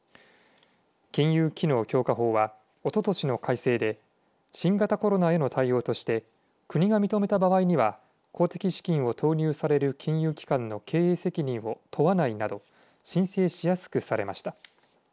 金融機能強化法はおととしの改正で新型コロナへの対応として国が認めた場合には公的資金を投入される金融機関の経営責任を問わないなど申請しやすくされました。